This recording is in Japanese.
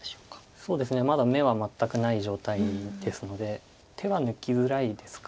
そうですねまだ眼は全くない状態ですので手は抜きづらいですか。